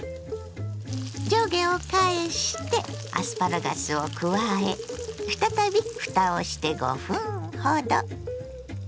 上下を返してアスパラガスを加え再びふたをして５分ほど。